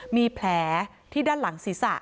มีแผลที่ด้านหลังศีรษะ